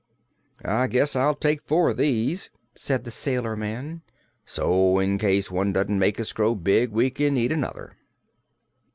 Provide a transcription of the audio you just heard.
"I guess I'll take four of these," said the sailor man, "so in case one doesn't make us grow big we can eat another."